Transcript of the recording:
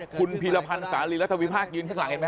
คุณพีรพันธ์สาลีรัฐวิพากษยืนข้างหลังเห็นไหม